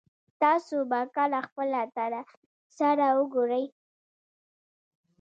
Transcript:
تاسو به کله خپل تره سره وګورئ